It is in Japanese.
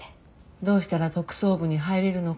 どうしたら特捜部に入れるのかとか？